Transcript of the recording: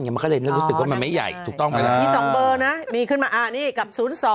อย่างมันไม่ใหญ่ถูกต้องนะมีขึ้นมาอันนี้กับ๐๒๑๒๗๑๐๓๗